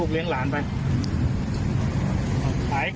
ต้องหายรายได้ก่อน